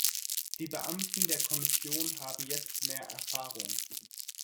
Die Beamten der Kommission haben jetzt mehr Erfahrung.